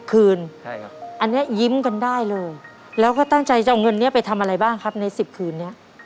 คืนใช่ครับอันนี้ยิ้มกันได้เลยแล้วก็ตั้งใจจะเอาเงินนี้ไปทำอะไรบ้างครับในสิบคืนนี้